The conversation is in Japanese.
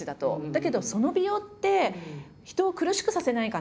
だけどその美容って人を苦しくさせないかなと思って。